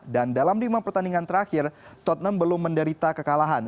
dan dalam lima pertandingan terakhir tottenham belum menderita kekalahan